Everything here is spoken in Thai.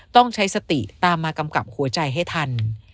ต้องใช้สติตามมากำกับหัวใจให้ทัน